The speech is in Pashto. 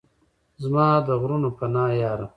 زما د غرونو پناه یاره!